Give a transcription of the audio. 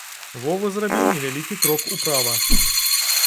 Вова зрабіў невялікі крок управа.